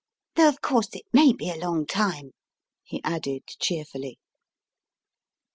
Though of course it may be a long time, he added cheerfully.